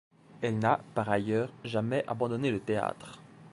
Elle n'a, par ailleurs, jamais abandonné le théâtre.